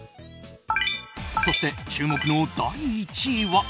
そして注目の第１位は。